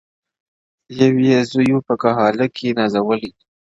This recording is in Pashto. یو يې زوی وو په کهاله کي نازولی-